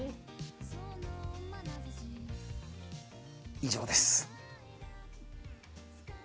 以上です。